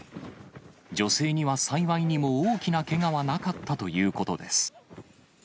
女性には幸いにも大きなけがはなかったということです。